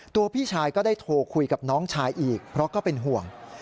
พี่ชายก็ได้โทรคุยกับน้องชายอีกเพราะก็เป็นห่วง